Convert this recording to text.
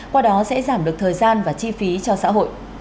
qua đó sẽ giảm được thời gian và chi phí cho xã hội